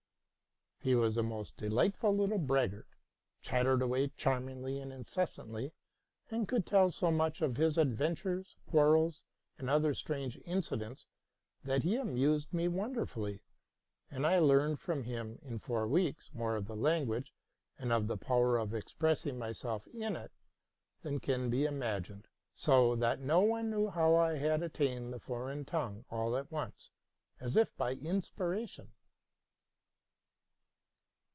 He was a most delightful little braggart, chattered away charmingly and incessantly, and could tell so much of his adventures, quarrels, and other strange incidents, that he amused me wonderfully ; and I learned from him in four weeks more of the language, and of the power of expressing my self in it, than can be imagined: so that no one knew how I had attained the foreign tongue all at once, as if by imspira tion.